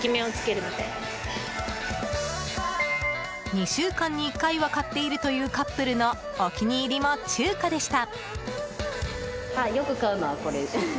２週間に１回は買っているというカップルのお気に入りも中華でした。